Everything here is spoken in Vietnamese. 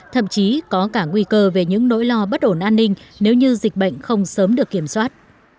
thậm chí có cả nguy cơ về những nỗi lo bất ổn an ninh nếu như dịch bệnh không sớm được kiểm soát